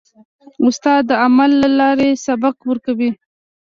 استاد د عمل له لارې سبق ورکوي.